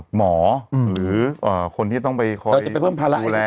หมอหรือคนที่ต้องไปคอยดูแล